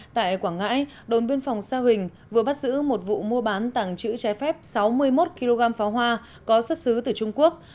tại quảng ngãi đồn biên phòng sa huỳnh vừa bắt giữ một vụ mua bán tàng chữ trái phép sáu mươi một kg pháo hoa có xuất xứ từ trung quốc